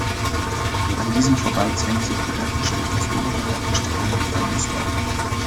An diesem vorbei zwängt sich die Reppisch durch das obere Reppischtal nach Birmensdorf.